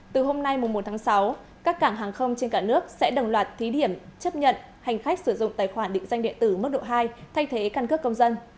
từ hôm nay một tháng sáu các cảng hàng không trên cả nước sẽ đồng loạt thí điểm chấp nhận hành khách sử dụng tài khoản định danh điện tử mức độ hai thay thế căn cước công dân